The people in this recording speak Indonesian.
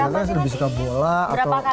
saya sih misalnya lebih suka bola atau tenis